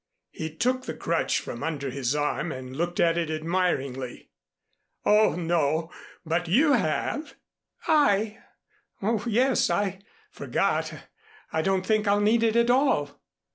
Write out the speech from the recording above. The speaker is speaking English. He took the crutch from under his arm and looked at it admiringly. "Oh, no but you have." "I! Oh, yes. I forgot. I don't think I'll need it at all.